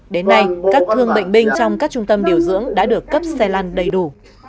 đến nay các thương bệnh binh trong các trung tâm điều dưỡng đã được cấp xe lăn đầy đủ